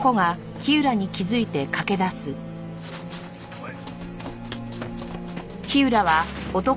おい！